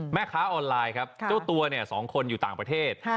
แม่ค้าออนไลน์ครับเจ้าตัวเนี่ย๒คนอยู่ต่างประเทศ